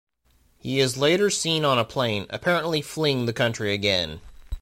He is later seen on a plane, apparently fleeing the country again.